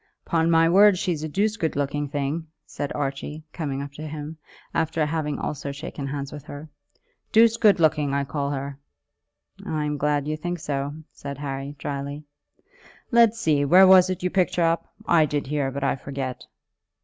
"Upon my word she's a doosed good looking little thing," said Archie, coming up to him, after having also shaken hands with her; "doosed good looking, I call her." "I'm glad you think so," said Harry, drily. "Let's see; where was it you picked her up? I did hear, but I forget."